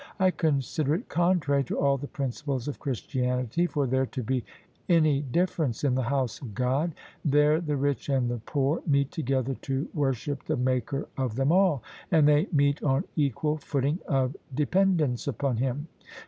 I consider it contrary to all the principles of Chris tianity for there to be any difference in the House of God. There the rich and the poor meet together to worship the Maker of them all: and they meet on equal footing of de pendence upon Him.